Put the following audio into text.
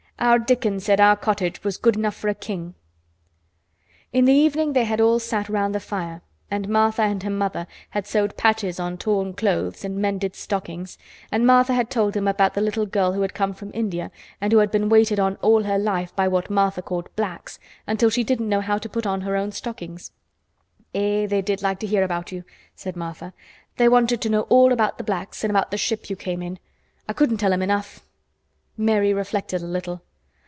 Our Dickon he said our cottage was good enough for a king to live in." In the evening they had all sat round the fire, and Martha and her mother had sewed patches on torn clothes and mended stockings and Martha had told them about the little girl who had come from India and who had been waited on all her life by what Martha called "blacks" until she didn't know how to put on her own stockings. "Eh! they did like to hear about you," said Martha. "They wanted to know all about th' blacks an' about th' ship you came in. I couldn't tell 'em enough." Mary reflected a little.